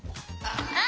あ！